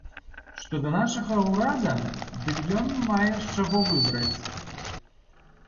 Што да нашага ўрада, дык ён мае з чаго выбраць.